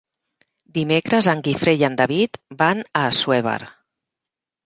Dimecres en Guifré i en David van a Assuévar.